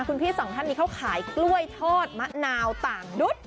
คุณพี่สองท่านนี้เขาขายกล้วยทอดมะนาวต่างดุ๊ด